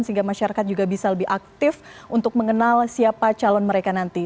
sehingga masyarakat juga bisa lebih aktif untuk mengenal siapa calon mereka nanti